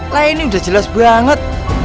lah ini udah jelas banget